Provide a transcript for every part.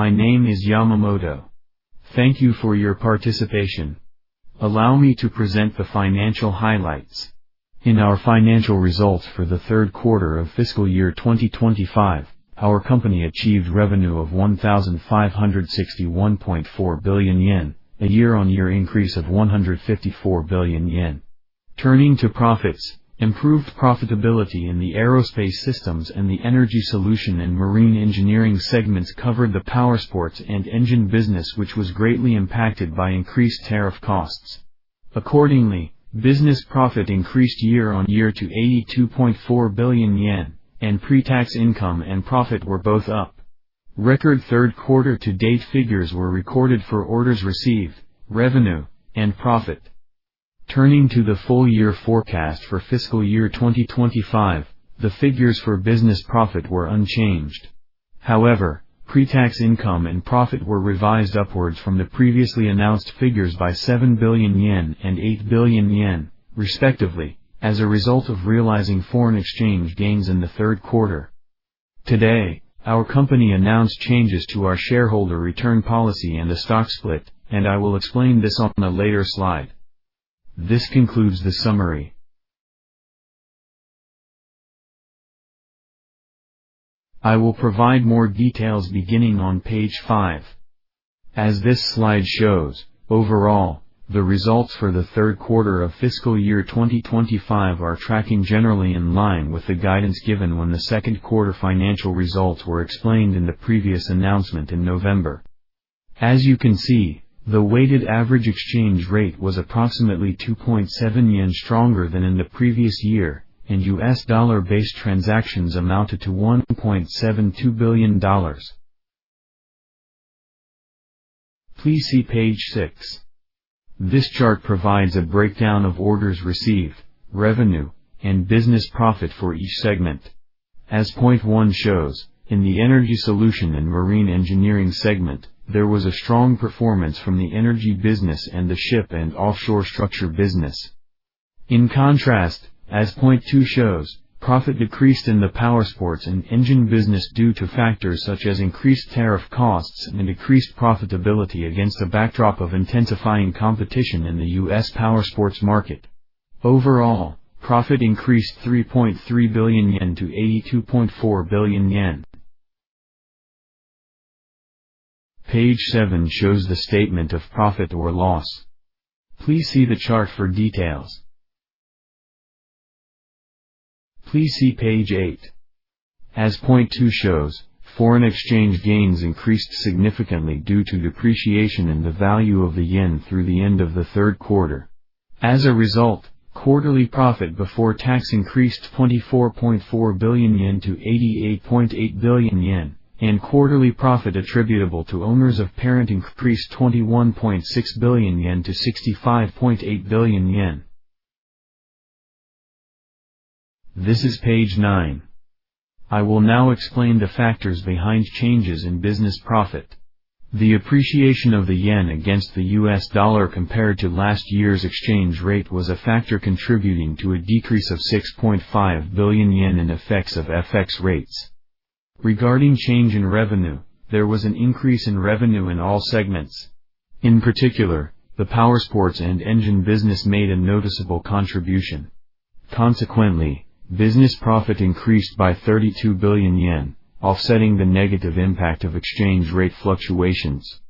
My name is Yamamoto. Thank you for your participation. Allow me to present the financial highlights. In our financial results for the third quarter of fiscal year 2025, our company achieved revenue of 1,561.4 billion yen, a year-on-year increase of 154 billion yen. Turning to profits, improved profitability in the Aerospace Systems and the Energy Solution & Marine Engineering segments covered the Powersports & Engine business which was greatly impacted by increased tariff costs. Accordingly, business profit increased year-on-year to 82.4 billion yen, and pre-tax income and profit were both up. Record third quarter to date figures were recorded for orders received, revenue, and profit. Turning to the full-year forecast for fiscal year 2025, the figures for business profit were unchanged. Pre-tax income and profit were revised upwards from the previously announced figures by 7 billion yen and 8 billion yen, respectively, as a result of realizing foreign exchange gains in the third quarter. Today, our company announced changes to our shareholder return policy and a stock split. I will explain this on a later slide. This concludes the summary. I will provide more details beginning on page five. As this slide shows, overall, the results for the third quarter of fiscal year 2025 are tracking generally in line with the guidance given when the second quarter financial results were explained in the previous announcement in November. As you can see, the weighted average exchange rate was approximately 2.7 yen stronger than in the previous year, and U.S. dollar-based transactions amounted to $1.72 billion. Please see page six. This chart provides a breakdown of orders received, revenue, and business profit for each segment. As point one shows, in the Energy Solution & Marine Engineering segment, there was a strong performance from the energy business and the ship and offshore structure business. In contrast, as point two shows, profit decreased in the Powersports & Engine business due to factors such as increased tariff costs and decreased profitability against a backdrop of intensifying competition in the U.S. powersports market. Overall, profit increased 3.3 billion yen to 82.4 billion yen. Page seven shows the statement of profit or loss. Please see the chart for details. Please see page eight. As point two shows, foreign exchange gains increased significantly due to depreciation in the value of the yen through the end of the third quarter. As a result, quarterly profit before tax increased 24.4 billion yen to 88.8 billion yen, and quarterly profit attributable to owners of parent increased 21.6 billion yen to 65.8 billion yen. This is page nine. I will now explain the factors behind changes in business profit. The appreciation of the yen against the U.S. dollar compared to last year's exchange rate was a factor contributing to a decrease of 6.5 billion yen in effects of FX rates. Regarding change in revenue, there was an increase in revenue in all segments. In particular, the Powersports & Engine business made a noticeable contribution. Consequently, business profit increased by 32 billion yen, offsetting the negative impact of exchange rate fluctuations.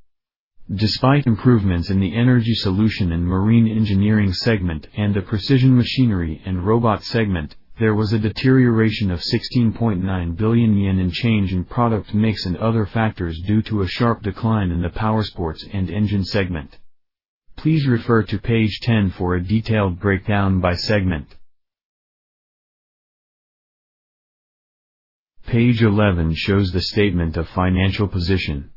Despite improvements in the Energy Solution & Marine Engineering segment and the Precision Machinery & Robot segment, there was a deterioration of 16.9 billion yen in change in product mix and other factors due to a sharp decline in the Powersports & Engine segment. Please refer to page 10 for a detailed breakdown by segment. Page 11 shows the statement of financial position.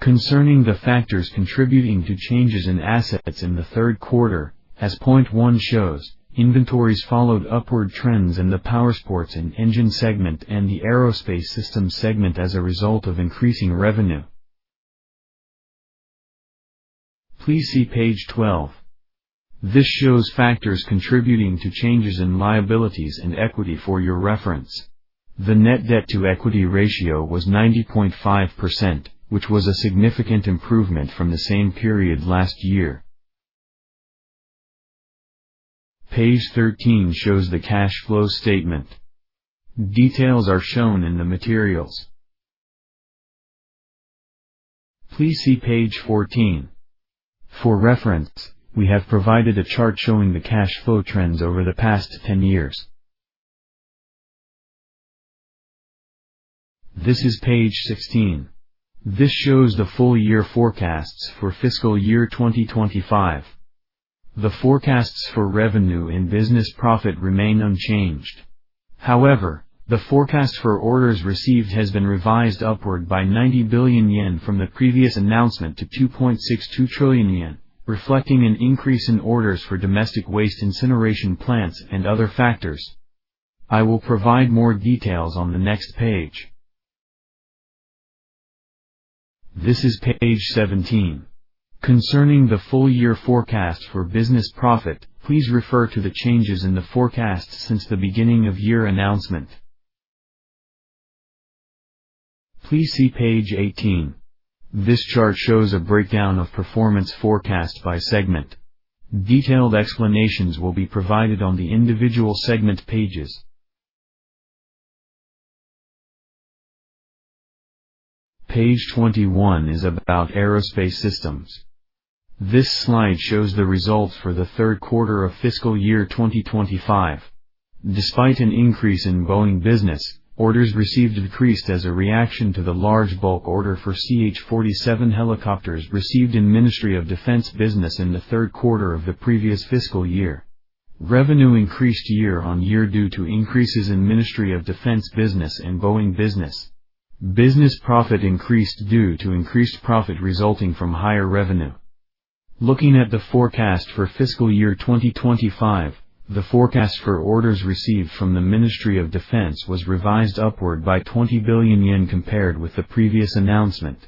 Concerning the factors contributing to changes in assets in the third quarter, as point one shows, inventories followed upward trends in the Powersports & Engine segment and the Aerospace Systems segment as a result of increasing revenue. Please see page 12. This shows factors contributing to changes in liabilities and equity for your reference. The net debt-to-equity ratio was 90.5%, which was a significant improvement from the same period last year. Page 13 shows the cash flow statement. Details are shown in the materials. Please see page 14. For reference, we have provided a chart showing the cash flow trends over the past 10 years. This is page 16. This shows the full-year forecasts for FY 2025. The forecasts for revenue and business profit remain unchanged. The forecast for orders received has been revised upward by 90 billion yen from the previous announcement to 2.62 trillion yen, reflecting an increase in orders for domestic waste incineration plants and other factors. I will provide more details on the next page. This is page 17. Concerning the full-year forecast for business profit, please refer to the changes in the forecast since the beginning of year announcement. Please see page 18. This chart shows a breakdown of performance forecast by segment. Detailed explanations will be provided on the individual segment pages. Page 21 is about Aerospace Systems. This slide shows the results for the third quarter of FY 2025. Despite an increase in Boeing business, orders received decreased as a reaction to the large bulk order for CH-47 helicopters received in Ministry of Defense business in the third quarter of the previous FY. Revenue increased year-on-year due to increases in Ministry of Defense business and Boeing business. Business profit increased due to increased profit resulting from higher revenue. Looking at the forecast for FY 2025, the forecast for orders received from the Ministry of Defense was revised upward by 20 billion yen compared with the previous announcement.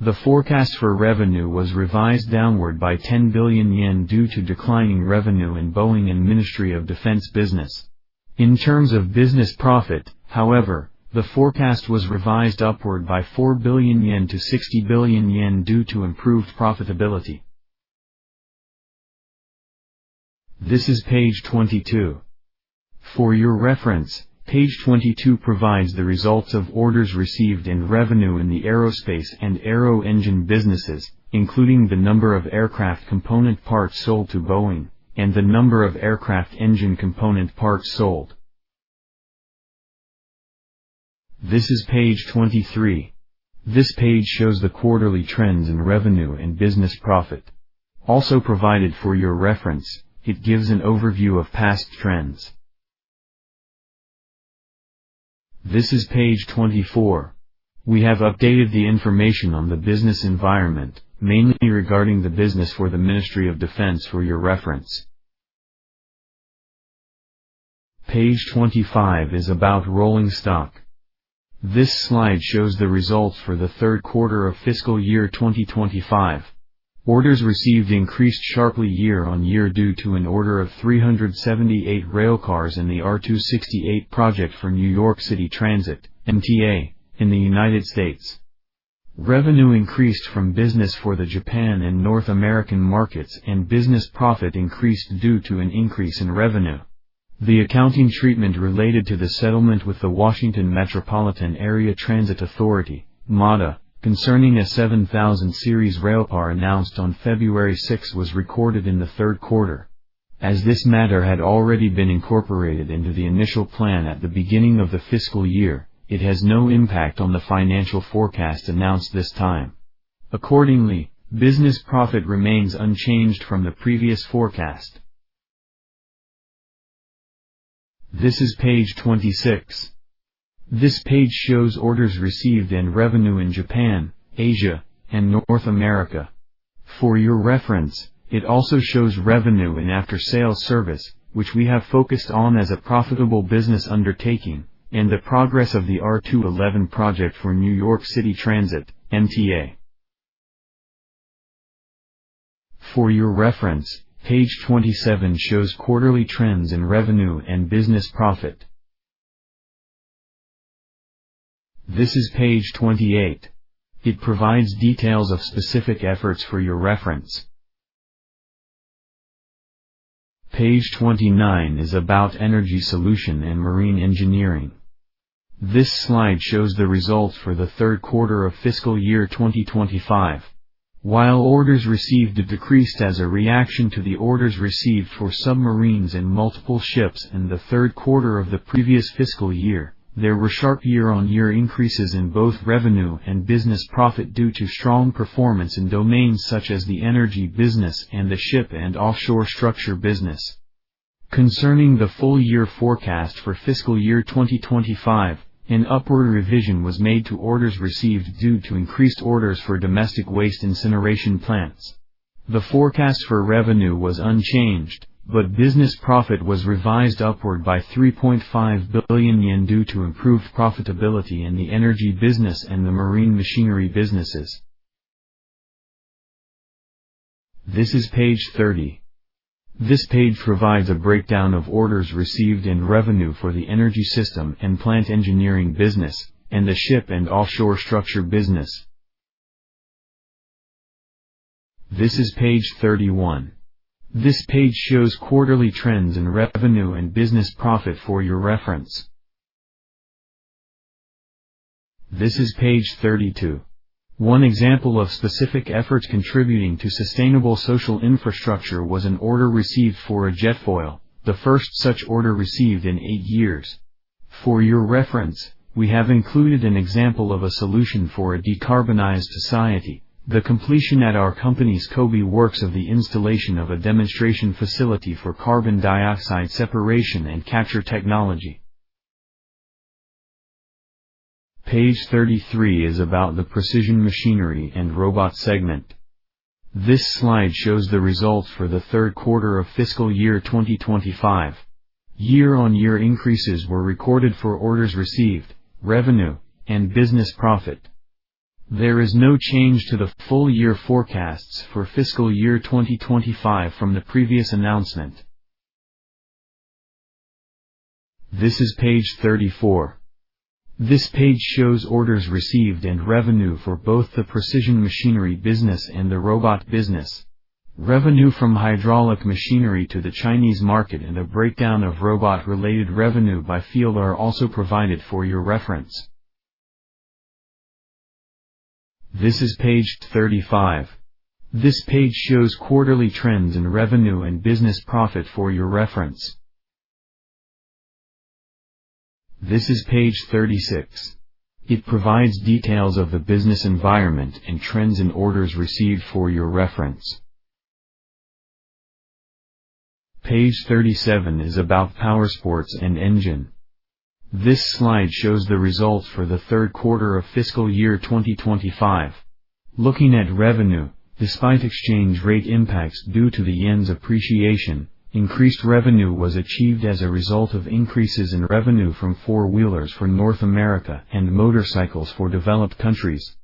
The forecast for revenue was revised downward by 10 billion yen due to declining revenue in Boeing and Ministry of Defense business. In terms of business profit, the forecast was revised upward by 4 billion yen to 60 billion yen due to improved profitability. This is page 22. For your reference, page 22 provides the results of orders received and revenue in the aerospace and aero-engine businesses, including the number of aircraft component parts sold to Boeing and the number of aircraft engine component parts sold. This is page 23. This page shows the quarterly trends in revenue and business profit. Also provided for your reference, it gives an overview of past trends. This is page 24. We have updated the information on the business environment, mainly regarding the business for the Ministry of Defense for your reference. Page 25 is about Rolling Stock. This slide shows the results for the third quarter of FY 2025. Orders received increased sharply year-on-year due to an order of 378 railcars in the R268 project for New York City Transit, MTA, in the U.S. Revenue increased from business for the Japan and North American markets, and business profit increased due to an increase in revenue. The accounting treatment related to the settlement with the Washington Metropolitan Area Transit Authority, WMATA, concerning a 7000 series railcar announced on February 6th was recorded in the third quarter. As this matter had already been incorporated into the initial plan at the beginning of the fiscal year, it has no impact on the financial forecast announced this time. Accordingly, business profit remains unchanged from the previous forecast. This is page 26. This page shows orders received and revenue in Japan, Asia, and North America. For your reference, it also shows revenue and after-sales service, which we have focused on as a profitable business undertaking, and the progress of the R211 project for New York City Transit, MTA. For your reference, page 27 shows quarterly trends in revenue and business profit. This is page 28. It provides details of specific efforts for your reference. Page 29 is about Energy Solution & Marine Engineering. This slide shows the results for the third quarter of fiscal year 2025. While orders received decreased as a reaction to the orders received for submarines and multiple ships in the third quarter of the previous fiscal year, there were sharp year-on-year increases in both revenue and business profit due to strong performance in domains such as the energy business and the ship and offshore structure business. Concerning the full-year forecast for fiscal year 2025, an upward revision was made to orders received due to increased orders for domestic waste incineration plants. The forecast for revenue was unchanged, but business profit was revised upward by 3.5 billion yen due to improved profitability in the energy business and the marine machinery businesses. This is page 30. This page provides a breakdown of orders received and revenue for the energy system and plant engineering business and the ship and offshore structure business. This is page 31. This page shows quarterly trends in revenue and business profit for your reference. This is page 32. One example of specific efforts contributing to sustainable social infrastructure was an order received for a Jetfoil, the first such order received in eight years. For your reference, we have included an example of a solution for a decarbonized society, the completion at our company's Kobe Works of the installation of a demonstration facility for carbon dioxide separation and capture technology. Page 33 is about the Precision Machinery & Robot segment. This slide shows the results for the third quarter of fiscal year 2025. Year-on-year increases were recorded for orders received, revenue, and business profit. There is no change to the full-year forecasts for fiscal year 2025 from the previous announcement. This is page 34. This page shows orders received and revenue for both the precision machinery business and the robot business. Revenue from hydraulic machinery to the Chinese market and a breakdown of robot-related revenue by field are also provided for your reference. This is page 35. This page shows quarterly trends in revenue and business profit for your reference. This is page 36. It provides details of the business environment and trends in orders received for your reference. Page 37 is about Powersports & Engine. This slide shows the results for the third quarter of fiscal year 2025. Looking at revenue, despite exchange rate impacts due to the yen's appreciation, increased revenue was achieved as a result of increases in revenue from four-wheelers for North America and motorcycles for developed countries.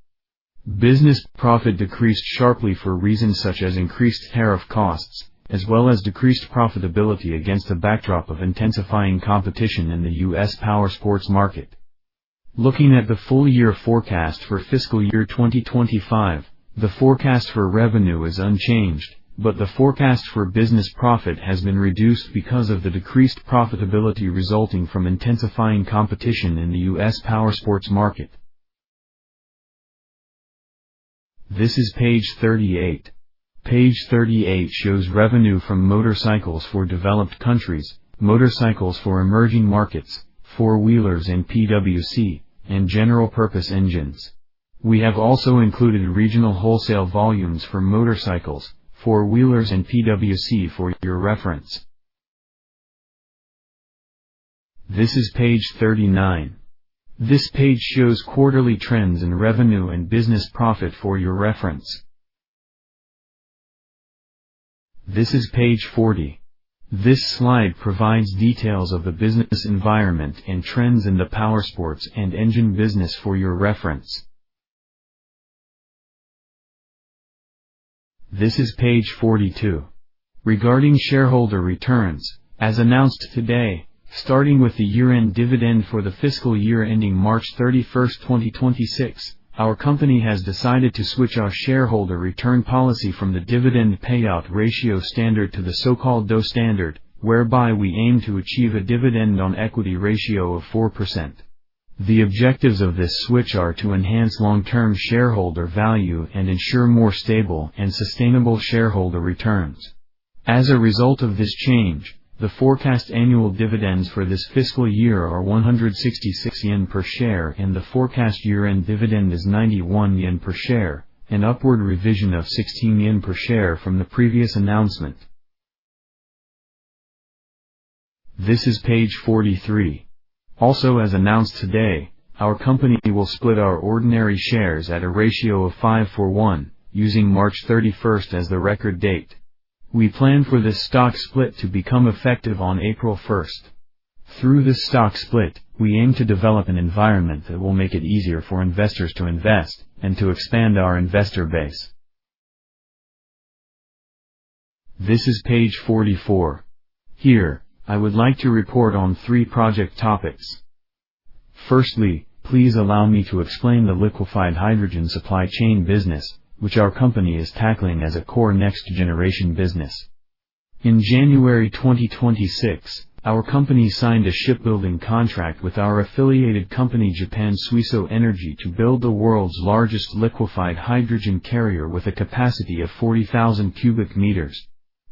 Business profit decreased sharply for reasons such as increased tariff costs, as well as decreased profitability against a backdrop of intensifying competition in the U.S. powersports market. Looking at the full-year forecast for fiscal year 2025, the forecast for revenue is unchanged, but the forecast for business profit has been reduced because of the decreased profitability resulting from intensifying competition in the U.S. powersports market. This is page 38. Page 38 shows revenue from motorcycles for developed countries, motorcycles for emerging markets, four-wheelers and PWC, and general-purpose engines. We have also included regional wholesale volumes for motorcycles, four-wheelers, and PWC for your reference. This is page 39. This page shows quarterly trends in revenue and business profit for your reference. This is page 40. This slide provides details of the business environment and trends in the Powersports & Engine business for your reference. This is page 42. Regarding shareholder returns, as announced today, starting with the year-end dividend for the fiscal year ending March 31, 2026, our company has decided to switch our shareholder return policy from the dividend payout ratio standard to the so-called DOE standard, whereby we aim to achieve a dividend on equity ratio of 4%. The objectives of this switch are to enhance long-term shareholder value and ensure more stable and sustainable shareholder returns. As a result of this change, the forecast annual dividends for this fiscal year are 166 yen per share, and the forecast year-end dividend is 91 yen per share, an upward revision of 16 yen per share from the previous announcement. This is page 43. As announced today, our company will split our ordinary shares at a ratio of 5 for 1, using March 31 as the record date. We plan for this stock split to become effective on April 1. Through this stock split, we aim to develop an environment that will make it easier for investors to invest and to expand our investor base. This is page 44. Here, I would like to report on three project topics. Firstly, please allow me to explain the liquefied hydrogen supply chain business, which our company is tackling as a core next-generation business. In January 2026, our company signed a shipbuilding contract with our affiliated company, Japan Suiso Energy, to build the world's largest liquefied hydrogen carrier with a capacity of 40,000 cubic meters.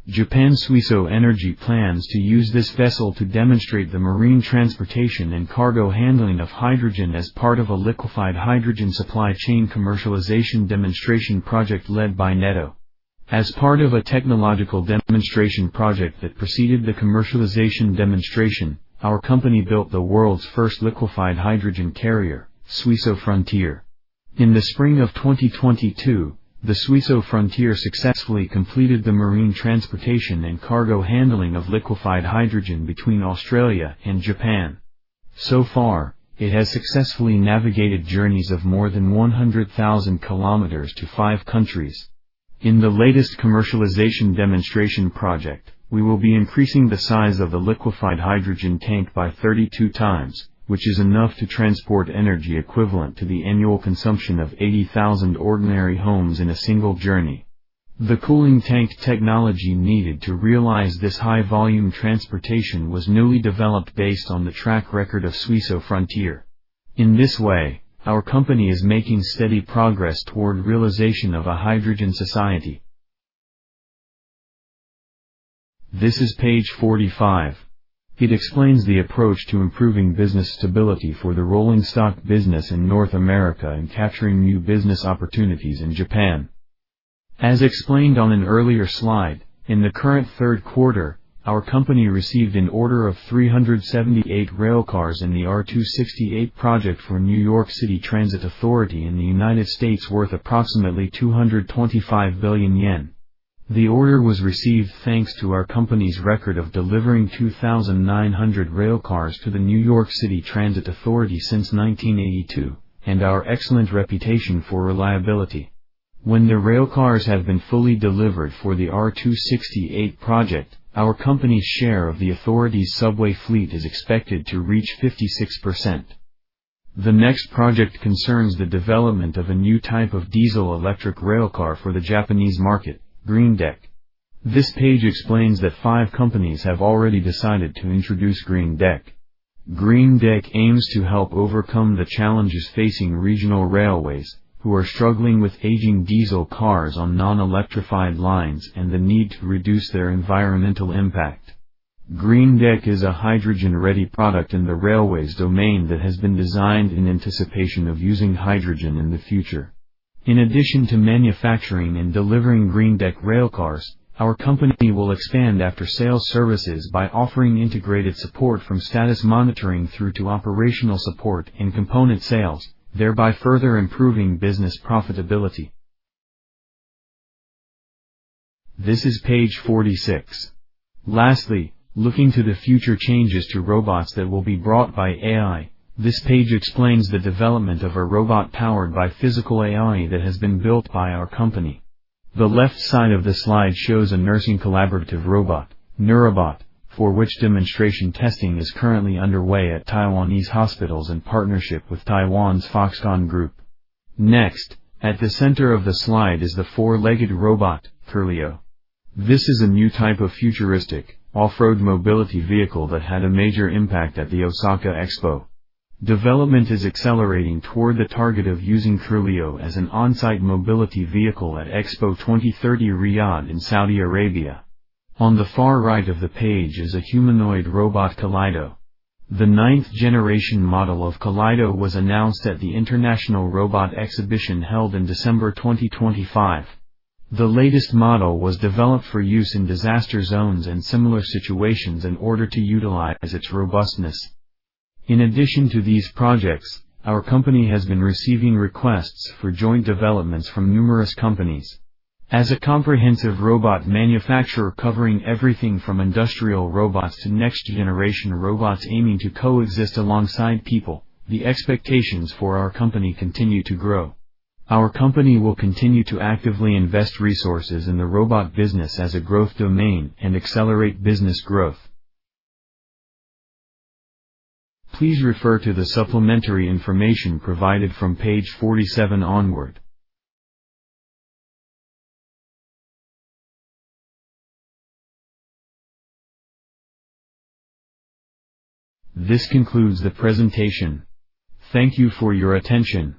Japan Suiso Energy plans to use this vessel to demonstrate the marine transportation and cargo handling of hydrogen as part of a liquefied hydrogen supply chain commercialization demonstration project led by NEDO. As part of a technological demonstration project that preceded the commercialization demonstration, our company built the world's first liquefied hydrogen carrier, Suiso Frontier. In the spring of 2022, the Suiso Frontier successfully completed the marine transportation and cargo handling of liquefied hydrogen between Australia and Japan. So far, it has successfully navigated journeys of more than 100,000 kilometers to five countries. In the latest commercialization demonstration project, we will be increasing the size of the liquefied hydrogen tank by 32 times, which is enough to transport energy equivalent to the annual consumption of 80,000 ordinary homes in a single journey. The cooling tank technology needed to realize this high-volume transportation was newly developed based on the track record of Suiso Frontier. In this way, our company is making steady progress toward realization of a hydrogen society. This is page 45. It explains the approach to improving business stability for the Rolling Stock business in North America and capturing new business opportunities in Japan. As explained on an earlier slide, in the current third quarter, our company received an order of 378 railcars in the R268 project for New York City Transit Authority in the United States worth approximately 225 billion yen. The order was received thanks to our company's record of delivering 2,900 railcars to the New York City Transit Authority since 1982, and our excellent reputation for reliability. When the railcars have been fully delivered for the R268 project, our company's share of the authority's subway fleet is expected to reach 56%. The next project concerns the development of a new type of diesel-electric railcar for the Japanese market, GreenDEC. This page explains that five companies have already decided to introduce GreenDEC. GreenDEC aims to help overcome the challenges facing regional railways, who are struggling with aging diesel cars on non-electrified lines and the need to reduce their environmental impact. GreenDEC is a hydrogen-ready product in the railways domain that has been designed in anticipation of using hydrogen in the future. In addition to manufacturing and delivering GreenDEC railcars, our company will expand after-sales services by offering integrated support from status monitoring through to operational support and component sales, thereby further improving business profitability. This is page 46. Lastly, looking to the future changes to robots that will be brought by AI, this page explains the development of a robot powered by physical AI that has been built by our company. The left side of the slide shows a nursing collaborative robot, Nurabot, for which demonstration testing is currently underway at Taiwanese hospitals in partnership with Taiwan's Foxconn Group. Next, at the center of the slide is the four-legged robot, CORLEO. This is a new type of futuristic off-road mobility vehicle that had a major impact at the Osaka Expo. Development is accelerating toward the target of using CORLEO as an on-site mobility vehicle at Expo 2030 Riyadh in Saudi Arabia. On the far right of the page is a humanoid robot, Kaleido. The ninth generation model of Kaleido was announced at the International Robot Exhibition held in December 2025. The latest model was developed for use in disaster zones and similar situations in order to utilize its robustness. In addition to these projects, our company has been receiving requests for joint developments from numerous companies. As a comprehensive robot manufacturer covering everything from industrial robots to next-generation robots aiming to coexist alongside people, the expectations for our company continue to grow. Our company will continue to actively invest resources in the robot business as a growth domain and accelerate business growth. Please refer to the supplementary information provided from page 47 onward. This concludes the presentation. Thank you for your attention.